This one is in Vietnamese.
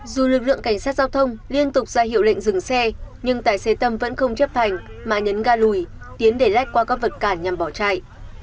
dù lực lượng cảnh sát giao thông liên tục ra hiệu lệnh dừng xe nhưng tài xế tâm vẫn không chấp hành mà nhấn ga lùi tiến để lách qua các vật cản nhằm bỏ chạy